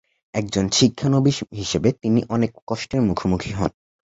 একজন শিক্ষানবিশ হিসেবে তিনি অনেক কষ্টের মুখোমুখি হন।